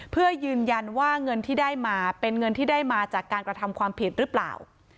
เพื่อยืนยันว่าเงินที่ได้มาเป็นเงินที่ได้มาจากการกระทำความผิดหรือเปล่า